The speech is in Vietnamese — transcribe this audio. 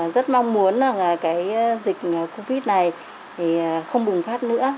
rất mong muốn dịch covid này không bùng phát nữa